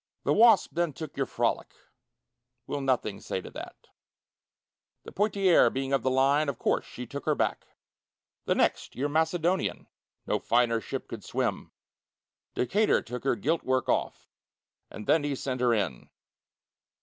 The Wasp then took your Frolic, We'll nothing say to that, The Poictiers being of the line, Of course she took her back. The next, your Macedonian, No finer ship could swim, Decatur took her gilt work off, And then he sent her in.